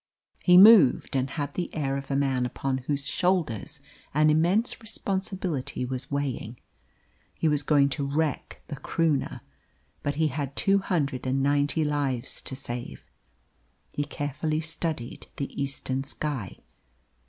He moved and had the air of a man upon whose shoulders an immense responsibility was weighing. He was going to wreck the Croonah, but he had two hundred and ninety lives to save. He carefully studied the eastern sky.